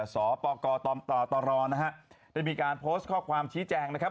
สปกตรนะฮะได้มีการโพสต์ข้อความชี้แจงนะครับ